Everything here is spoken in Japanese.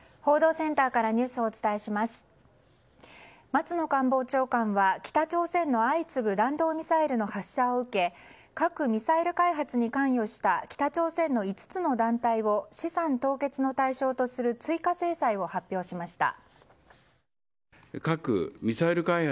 松野官房長官は、北朝鮮の相次ぐ弾道ミサイルの発射を受け核・ミサイル開発に関与した北朝鮮の５つの団体を資産凍結の対象とする追加制裁を発表しました。